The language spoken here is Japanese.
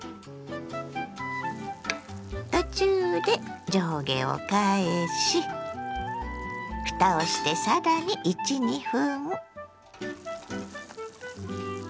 途中で上下を返しふたをしてさらに１２分。